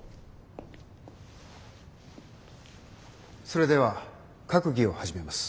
それでは閣議を始めます。